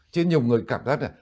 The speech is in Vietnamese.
chứ nhiều người cảm giác là